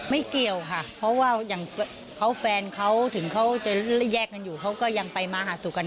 เกี่ยวค่ะเพราะว่าอย่างเขาแฟนเขาถึงเขาจะแยกกันอยู่เขาก็ยังไปมาหาสู่กัน